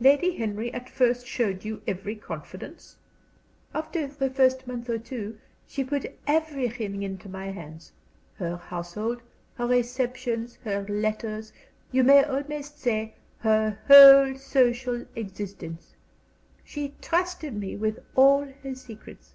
"Lady Henry at first showed you every confidence?" "After the first month or two she put everything into my hands her household, her receptions, her letters, you may almost say her whole social existence. She trusted me with all her secrets."